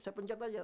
saya pencet aja